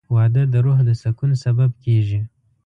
• واده د روح د سکون سبب کېږي.